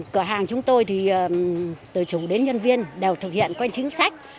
cửa hàng chúng tôi thì từ chủ đến nhân viên đều thực hiện quanh chính sách